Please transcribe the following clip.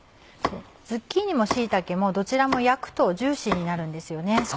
ズッキーニも椎茸もどちらも焼くとジューシーになるんですよね。